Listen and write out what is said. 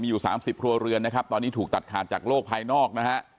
อยู่๓๐ครัวเรือนนะครับตอนนี้ถูกตัดขาดจากโลกภายนอกนะฮะ